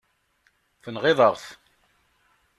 Tenɣiḍ-aɣ-t.